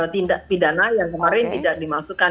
tindak pidana yang kemarin tidak dimasukkan